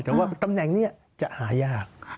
แต่ว่าตำแหน่งนี้จะหายาก